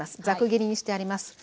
ざく切りにしてあります。